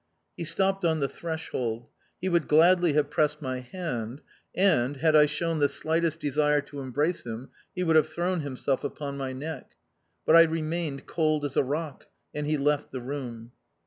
He stopped on the threshold; he would gladly have pressed my hand... and, had I shown the slightest desire to embrace him, he would have thrown himself upon my neck; but I remained cold as a rock and he left the room.